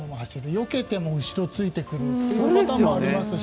よけても後ろついてくるパターンもありますし。